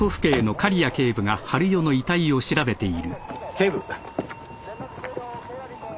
警部。